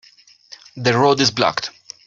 The road is blocked.